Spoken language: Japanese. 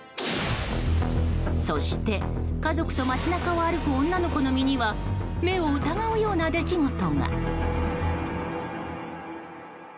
そして、家族と街中を歩く女の子の身には目を疑うような出来事が。